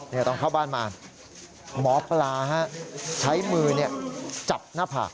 ตอนเข้าบ้านมาหมอปลาใช้มือจับหน้าผาก